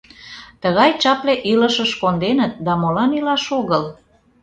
Тыгай чапле илышыш конденыт да молан илаш огыл?